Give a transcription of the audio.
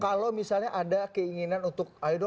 kalau misalnya ada keinginan untuk